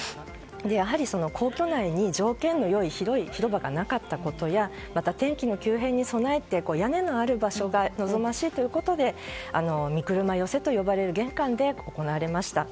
やはり皇居内に条件の良い広場がなかったことやまた天気の急変に備えて屋根のある場所が望ましいということで御車寄という玄関で行われました。